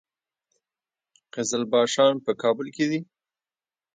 قزلباشان په کابل کې دي؟